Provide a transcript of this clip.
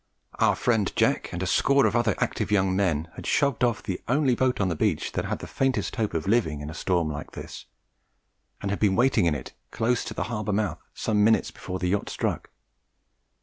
Our friend Jack, and a score of other active young men, had shoved off the only boat on the beach that had the faintest hope of living in a storm like this, and had been waiting in it close to the harbour mouth some minutes before the yacht struck.